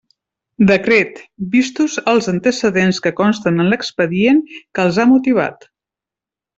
Decret: vistos els antecedents que consten en l'expedient que els han motivat.